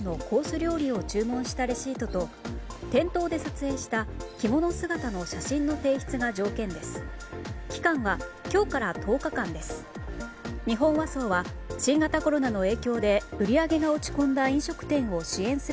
料理を注文したレシートと店頭で撮影した着物姿の写真の提出が条件です。